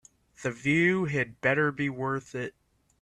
The view had better be worth it.